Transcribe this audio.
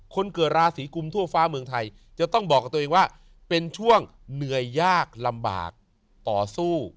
คนเกิดราศีกุมทั่วฟ้าเมืองไทยจะต้องบอกกับตัวเองว่าเป็นช่วงเหนื่อยยากลำบากต่อสู้